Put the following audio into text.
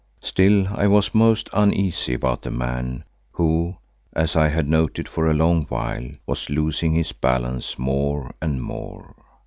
Still I was most uneasy about the man who, as I had noted for a long while, was losing his balance more and more.